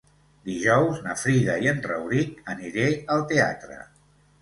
Dijous na Frida i en Rauric aniré al teatre.